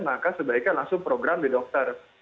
maka sebaiknya langsung program di dokter